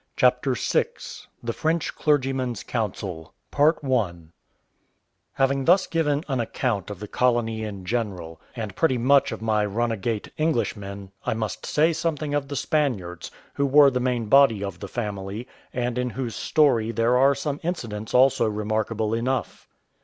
CHAPTER VI THE FRENCH CLERGYMAN'S COUNSEL Having thus given an account of the colony in general, and pretty much of my runagate Englishmen, I must say something of the Spaniards, who were the main body of the family, and in whose story there are some incidents also remarkable enough.